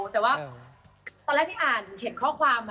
ตอนแรกที่อ่านเห็นข้อความ